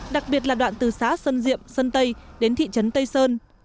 đặc biệt là đoạn từ xá sân diệm sân tây đến thị trấn tây sơn